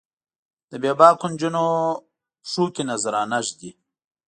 د بې باکو نجونو پښو کې نذرانه ږدي